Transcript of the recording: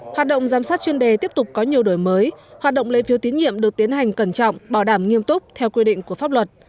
hoạt động giám sát chuyên đề tiếp tục có nhiều đổi mới hoạt động lấy phiếu tín nhiệm được tiến hành cẩn trọng bảo đảm nghiêm túc theo quy định của pháp luật